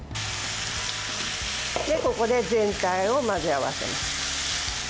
ここで全体を混ぜ合わせます。